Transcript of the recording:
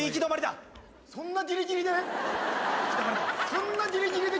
そんなギリギリで？